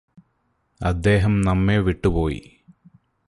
അദ്ദേഹം നമ്മെ വിട്ടു പോയി